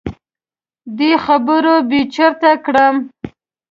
دې خبرو بې چرته کړم.